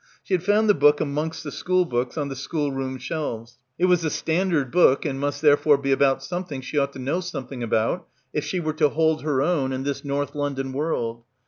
She had found the book amongst the school books on the schoolroom shelves. It was a Stan dard" book and must therefore be about something she ought to know something about if she were to hold her own in this North London world.